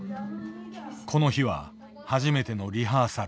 この日は初めてのリハーサル。